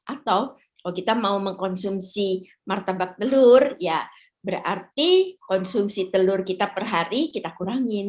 atau kalau kita mau mengkonsumsi martabak telur ya berarti konsumsi telur kita per hari kita kurangin